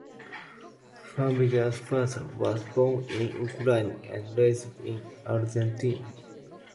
Farmiga's father was born in Ukraine and raised in Argentina.